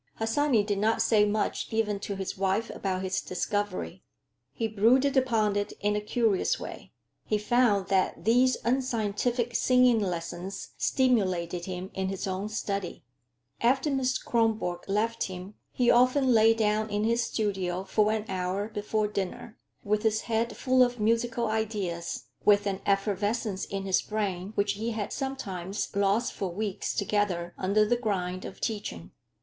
Harsanyi did not say much even to his wife about his discovery. He brooded upon it in a curious way. He found that these unscientific singing lessons stimulated him in his own study. After Miss Kronborg left him he often lay down in his studio for an hour before dinner, with his head full of musical ideas, with an effervescence in his brain which he had sometimes lost for weeks together under the grind of teaching.